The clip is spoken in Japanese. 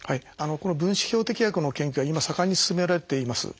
この分子標的薬の研究は今盛んに進められています。